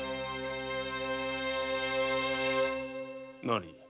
何？